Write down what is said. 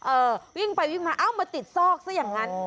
เออวิ่งไปวิ่งมาเอ้ามาติดซอกซะอย่างนั้น